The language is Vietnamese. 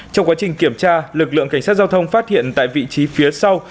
trong quá trình kiểm tra lực lượng cảnh sát giao thông phát hiện tại vị trí phía sau